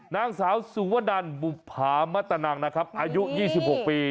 นางสาวสุวดรันบุะรญมัตตนังอายุ๒๖ปี